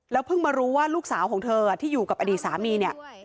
เพิ่งมารู้ว่าลูกสาวของเธอที่อยู่กับอดีตสามีเนี่ย